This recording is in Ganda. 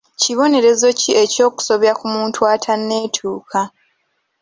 Kibonerezo ki eky'okusobya ku muntu atanneetuuka?